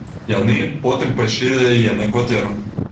Яны потым пайшлі да яе на кватэру.